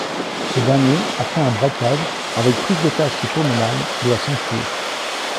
Ce dernier, après un braquage avec prise d'otages qui tourne mal, doit s'enfuir.